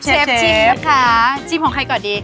เชฟชิมนะคะชิมของใครก่อนดี